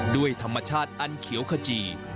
ด้วยธรรมชาติอันเขียวขจี